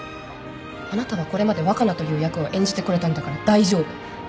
あなたはこれまで若菜という役を演じてこれたんだから大丈夫